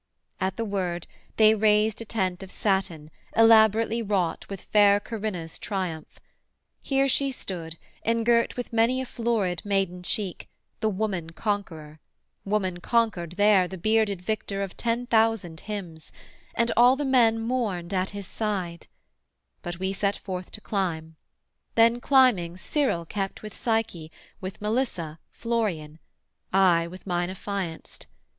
At the word, they raised A tent of satin, elaborately wrought With fair Corinna's triumph; here she stood, Engirt with many a florid maiden cheek, The woman conqueror; woman conquered there The bearded Victor of ten thousand hymns, And all the men mourned at his side: but we Set forth to climb; then, climbing, Cyril kept With Psyche, with Melissa Florian, I With mine affianced.